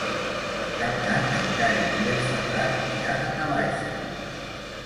Per Cap d'Any en Cai i en Ferran iran a Navaixes.